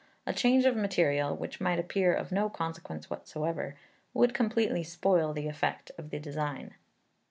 A change of material, which might appear of no consequence whatever, would completely spoil the effect of the design.